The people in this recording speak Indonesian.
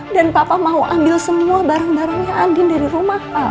dan papa mau ambil semua barang barangnya adin dari rumah al